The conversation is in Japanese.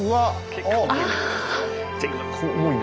結構重いね。